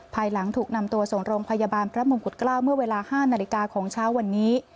ภายหลังถูกนำตัวส่งโรงพยาบาลพระมงกุฎเกล้าเมื่อเวลา๕นาฬิกาของเช้าวันนี้